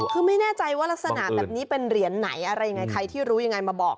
คือไม่แน่ใจว่ารักษณะแบบนี้เป็นเหรียญไหนอะไรยังไงใครที่รู้ยังไงมาบอก